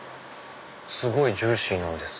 すごいジューシーなんです。